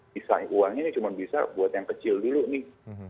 bisa uangnya ini cuma bisa buat yang kecil dulu nih